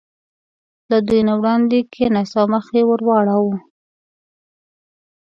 له دوی نه وړاندې کېناست او مخ یې ور واړاوه.